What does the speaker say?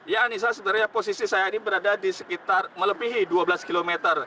ya anissa sebenarnya posisi saya ini berada di sekitar melebihi dua belas km